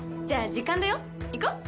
じゃあ時間だよ行こ！